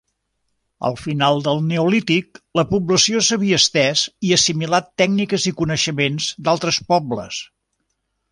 Al final del neolític, la població s'havia estès i assimilat tècniques i coneixements d'altres pobles.